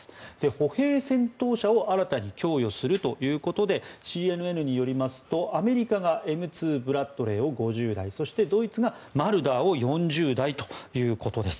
歩兵戦闘車を新たに供与するということでＣＮＮによりますと、アメリカがＭ２ブラッドレーを５０台そして、ドイツがマルダーを４０台ということです。